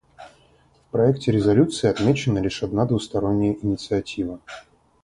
В проекте резолюции отмечена лишь одна двусторонняя инициатива.